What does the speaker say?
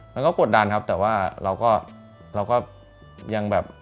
กดดันครับแต่ว่าเราก็เราก็ยังแบบ